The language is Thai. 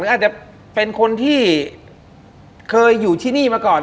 อาจจะเป็นคนที่เคยอยู่ที่นี่มาก่อน